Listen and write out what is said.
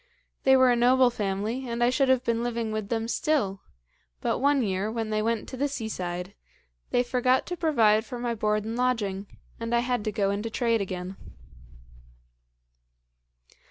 They were a noble family; and I should have been living with them still, but one year, when they went to the seaside, they forgot to provide for my board and lodging, and I had to go into trade again.